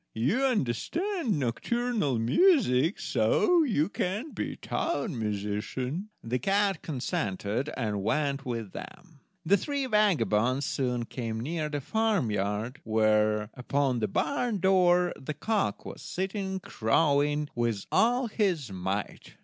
You understand nocturnal music, so you can be town musician." The cat consented, and went with them. The three vagabonds soon came near a farmyard, where, upon the barn door, the cock was sitting crowing with all his might.